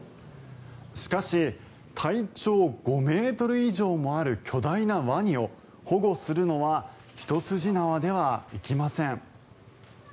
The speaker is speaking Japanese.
しかし、体長５ｍ以上もある巨大なワニを保護するのは一筋縄ではいきません。